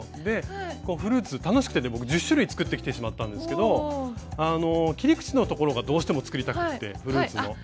フルーツ楽しくて僕１０種類作ってきてしまったんですけど切り口のところがどうしても作りたくてフルーツの。